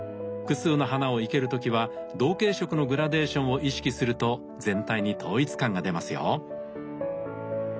複数の花を生ける時は同系色のグラデーションを意識すると全体に統一感が出ますよ。